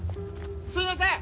すいません！